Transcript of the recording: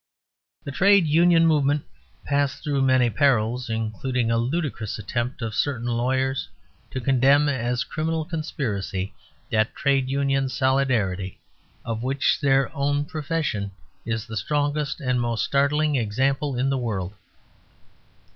The Trade Union movement passed through many perils, including a ludicrous attempt of certain lawyers to condemn as a criminal conspiracy that Trade Union solidarity, of which their own profession is the strongest and most startling example in the world.